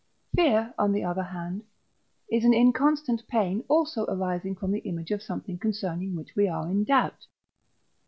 Fear, on the other hand, is an inconstant pain also arising from the image of something concerning which we are in doubt.